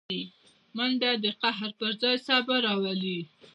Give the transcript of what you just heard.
منډه د قهر پر ځای صبر راولي